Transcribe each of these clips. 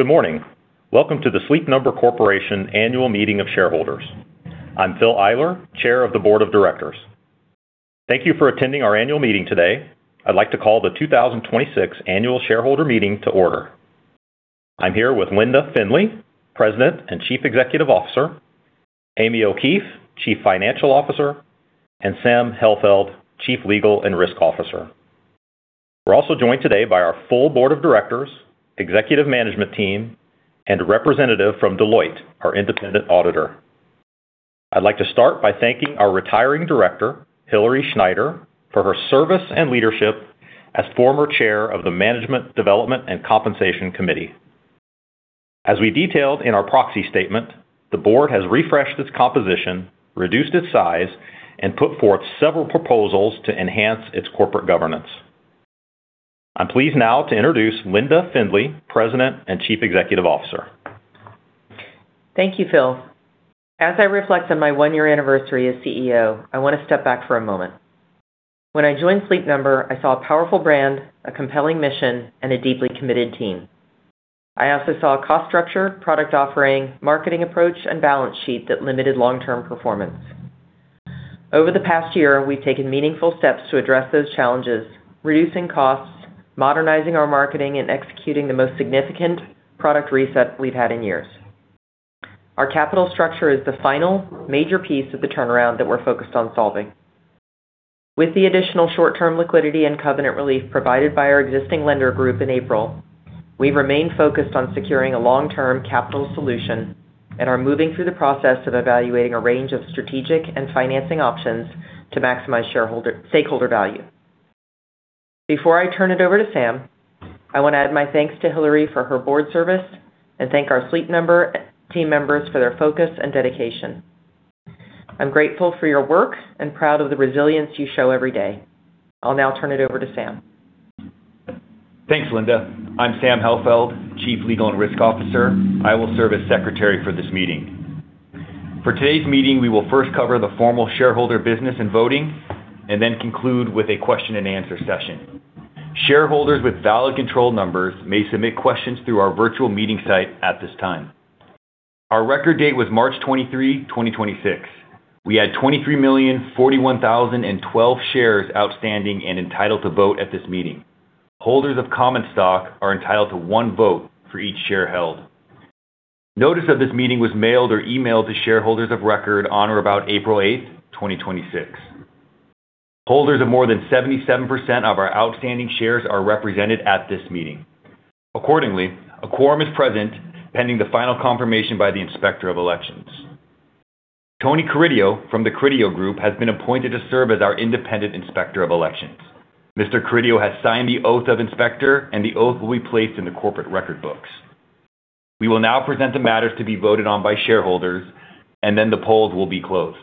Good morning. Welcome to the Sleep Number Corporation Annual Meeting of Shareholders. I'm Phillip Eyler, Chair of the Board of Directors. Thank you for attending our Annual Meeting today. I'd like to call the 2026 Annual Shareholder Meeting to order. I'm here with Linda Findley, President and Chief Executive Officer, Amy O'Keefe, Chief Financial Officer, and Sam Hellfeld, Chief Legal and Risk Officer. We're also joined today by our full Board of Directors, Executive Management Team, and a Representative from Deloitte, our independent auditor. I'd like to start by thanking our retiring Director, Hilary Schneider, for her service and leadership as former Chair of the Management Development and Compensation Committee. As we detailed in our Proxy Statement, the Board has refreshed its composition, reduced its size, and put forth several proposals to enhance its corporate governance. I'm pleased now to introduce Linda Findley, President and Chief Executive Officer. Thank you, Phil. As I reflect on my one-year anniversary as CEO, I want to step back for a moment. When I joined Sleep Number, I saw a powerful brand, a compelling mission, and a deeply committed team. I also saw a cost structure, product offering, marketing approach, and balance sheet that limited long-term performance. Over the past year, we've taken meaningful steps to address those challenges, reducing costs, modernizing our marketing, and executing the most significant product reset we've had in years. Our capital structure is the final major piece of the turnaround that we're focused on solving. With the additional short-term liquidity and covenant relief provided by our existing lender group in April, we've remained focused on securing a long-term capital solution and are moving through the process of evaluating a range of strategic and financing options to maximize stakeholder value. Before I turn it over to Sam, I want to add my thanks to Hilary for her Board service and thank our Sleep Number team members for their focus and dedication. I'm grateful for your work and proud of the resilience you show every day. I'll now turn it over to Sam. Thanks, Linda. I'm Sam Hellfeld, Chief Legal and Risk Officer. I will serve as Secretary for this meeting. For today's meeting, we will first cover the formal shareholder business and voting and then conclude with a question-and-answer session. Shareholders with valid control numbers may submit questions through our virtual meeting site at this time. Our record date was March 23, 2026. We had 23,041,012 shares outstanding and entitled to vote at this meeting. Holders of common stock are entitled to one vote for each share held. Notice of this meeting was mailed or emailed to shareholders of record on or about April 8th, 2026. Holders of more than 77% of our outstanding shares are represented at this meeting. Accordingly, a quorum is present pending the final confirmation by the Inspector of Elections. Tony Carideo from The Carideo Group has been appointed to serve as our independent Inspector of Elections. Mr. Carideo has signed the oath of inspector, and the oath will be placed in the corporate record books. We will now present the matters to be voted on by shareholders, and then the polls will be closed.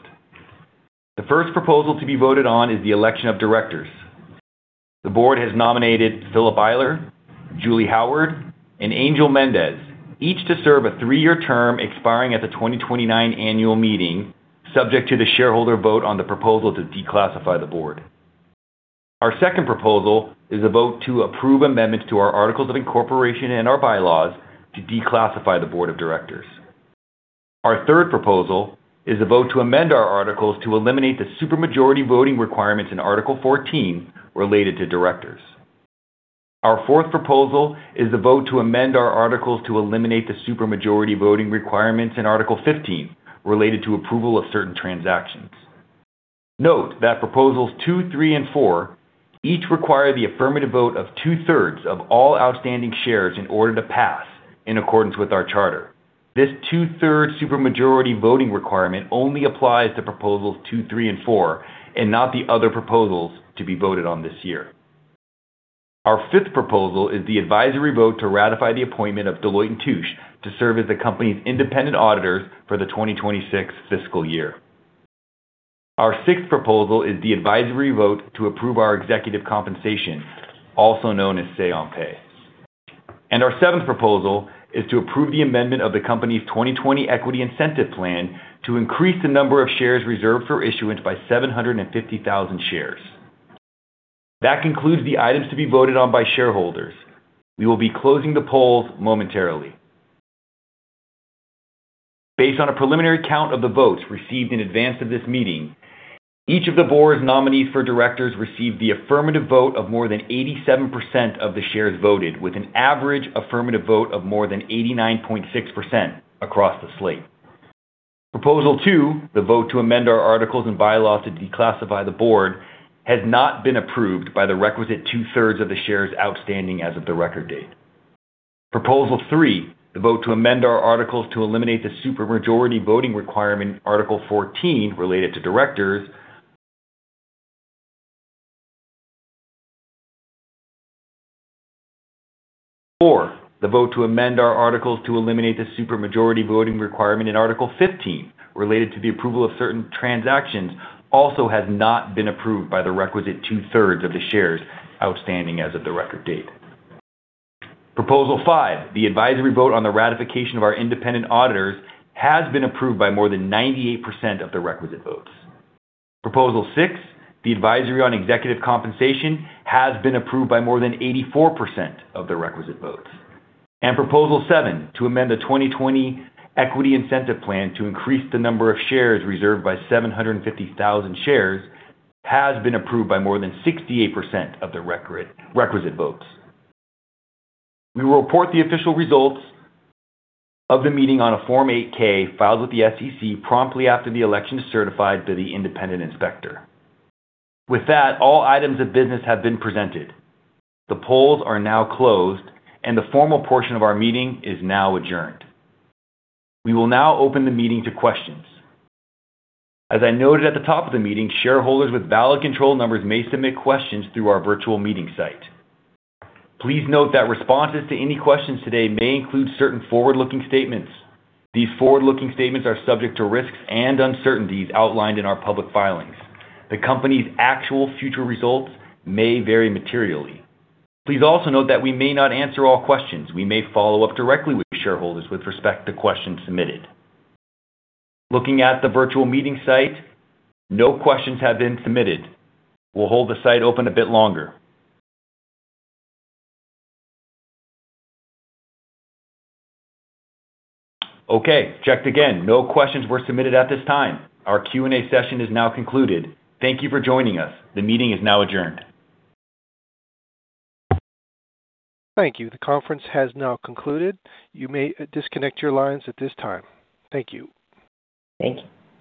The first proposal to be voted on is the Election of Directors. The Board has nominated Phillip Eyler, Julie Howard, and Angel Mendez, each to serve a three-year term expiring at the 2029 Annual Meeting, subject to the shareholder vote on the proposal to declassify the Board. Our second proposal is a vote to approve amendments to our articles of incorporation and our bylaws to declassify the Board of Directors. Our third proposal is a vote to amend our articles to eliminate the supermajority voting requirements in Article XIV related to Directors. Our fourth proposal is a vote to amend our articles to eliminate the supermajority voting requirements in Article XV related to approval of certain transactions. Note that Proposals 2, 3, and 4 each require the affirmative vote of 2/3 of all outstanding shares in order to pass in accordance with our charter. This two-thirds supermajority voting requirement only applies to Proposals 2, 3, and 4 and not the other proposals to be voted on this year. Our fifth proposal is the advisory vote to ratify the appointment of Deloitte & Touche to serve as the company's independent auditors for the 2026 fiscal year. Our sixth proposal is the advisory vote to approve our executive compensation, also known as Say on Pay. Our seventh proposal is to approve the amendment of the company's 2020 Equity Incentive Plan to increase the number of shares reserved for issuance by 750,000 shares. That concludes the items to be voted on by shareholders. We will be closing the polls momentarily. Based on a preliminary count of the votes received in advance of this meeting, each of the Board's Nominees for Directors received the affirmative vote of more than 87% of the shares voted, with an average affirmative vote of more than 89.6% across the slate. Proposal 2, the vote to amend our articles and bylaws to declassify the Board, has not been approved by the requisite 2/3 of the shares outstanding as of the record date. Proposal 3, the vote to amend our articles to eliminate the supermajority voting requirement in Article XIV related to Directors. 4, the vote to amend our articles to eliminate the supermajority voting requirement in Article XV related to the approval of certain transactions, also has not been approved by the requisite 2/3 of the shares outstanding as of the record date. Proposal 5, the advisory vote on the ratification of our independent auditors, has been approved by more than 98% of the requisite votes. Proposal 6, the advisory on executive compensation, has been approved by more than 84% of the requisite votes. Proposal 7, to amend the 2020 Equity Incentive Plan to increase the number of shares reserved by 750,000 shares, has been approved by more than 68% of the requisite votes. We will report the official results of the meeting on a Form 8-K filed with the SEC promptly after the election is certified by the Independent Inspector. With that, all items of business have been presented. The polls are now closed, and the formal portion of our meeting is now adjourned. We will now open the meeting to questions. As I noted at the top of the meeting, shareholders with valid control numbers may submit questions through our virtual meeting site. Please note that responses to any questions today may include certain forward-looking statements. These forward-looking statements are subject to risks and uncertainties outlined in our public filings. The company's actual future results may vary materially. Please also note that we may not answer all questions. We may follow up directly with shareholders with respect to questions submitted. Looking at the virtual meeting site, no questions have been submitted. We'll hold the site open a bit longer. Okay, checked again. No questions were submitted at this time. Our Q&A session is now concluded. Thank you for joining us. The meeting is now adjourned. Thank you. The conference has now concluded. You may disconnect your lines at this time. Thank you. Thank you.